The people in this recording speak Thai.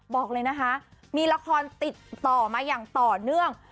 บอกเลยนะคะมีละครติดต่อมาอย่างต่อเนื่อง